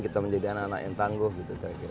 kita menjadi anak anak yang tangguh gitu saya kira